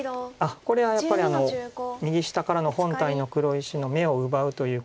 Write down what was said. これはやっぱり右下からの本体の黒石の眼を奪うということで。